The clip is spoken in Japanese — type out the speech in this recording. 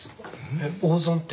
えっ大損って？